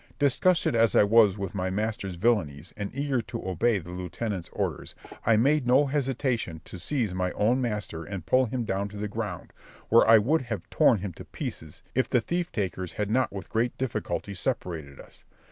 Disgusted as I was with my master's villanies, and eager to obey the lieutenant's orders, I made no hesitation to seize my own master and pull him down to the ground, where I would have torn him to pieces if the thief takers had not with great difficulty separated us.